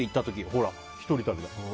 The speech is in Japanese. ほら、一人旅だ。